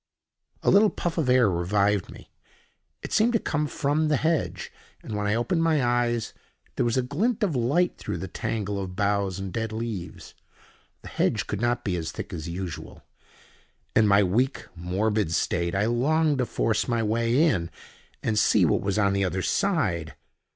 A little puff of air revived me. It seemed to come from the hedge; and, when I opened my eyes, there was a glint of light through the tangle of boughs and dead leaves. The hedge could not be as thick as usual. In my weak, morbid state, I longed to force my way in, and see what was on the other side.